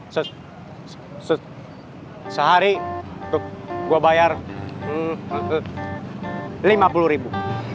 se se se sehari gua bayar hmm lima puluh ribu